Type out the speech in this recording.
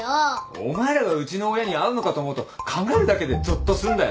お前らがうちの親に会うのかと思うと考えるだけでぞっとすんだよ！